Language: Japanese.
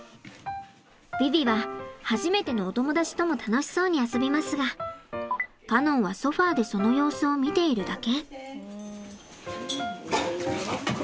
ヴィヴィは初めてのお友達とも楽しそうに遊びますがカノンはソファーでその様子を見ているだけ。